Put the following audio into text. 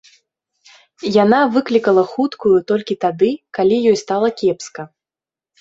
Яна выклікала хуткую толькі тады, калі ёй стала кепска.